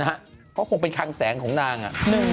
รายใบสิเพราะผมเป็นคางแสงของนาง